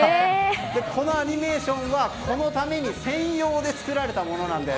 このアニメーションはこのために専用で作られたものなんです。